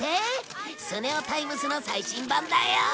『スネオタイムス』の最新版だよ！